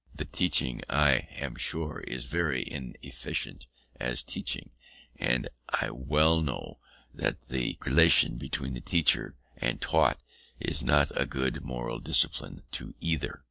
The teaching, I am sure, is very inefficient as teaching, and I well know that the relation between teacher and taught is not a good moral discipline to either.